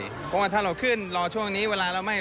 เพราะว่าถ้าเราขึ้นรอช่วงนี้เวลาเราไม่